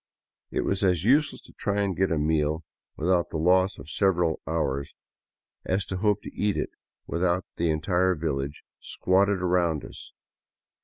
It was as useless to try to get a meal without the loss of several hours as to hope to eat it without the entire village squatted around us.